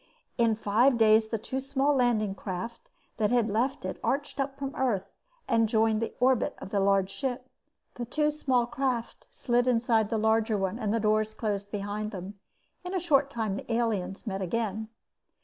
In five days the two small landing craft that had left it arched up from Earth and joined the orbit of the large ship. The two small craft slid inside the large one and doors closed behind them. In a short time the aliens met again.